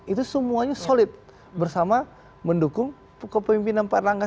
itu semuanya solid bersama mendukung kepemimpinan pak erlangga